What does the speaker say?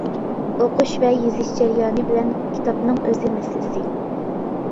ئوقۇش ۋە يېزىش جەريانى بىلەن كىتابنىڭ ئۆزى مەسىلىسى.